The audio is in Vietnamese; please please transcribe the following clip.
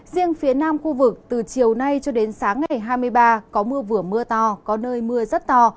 riêng phía nam khu vực từ chiều nay cho đến sáng ngày hai mươi ba có mưa vừa mưa to có nơi mưa rất to